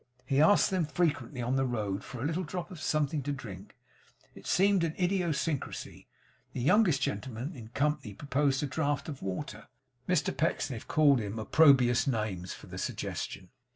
He asked them frequently on the road for a little drop of something to drink. It seemed an idiosyncrasy. The youngest gentleman in company proposed a draught of water. Mr Pecksniff called him opprobious names for the suggestion.